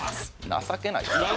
情けないです。